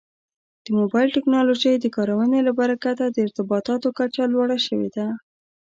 د موبایل ټکنالوژۍ د کارونې له برکته د ارتباطاتو کچه لوړه شوې ده.